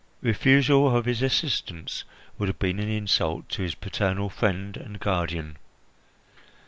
Refusal of his assistance would have been an insult to his paternal friend and guardian.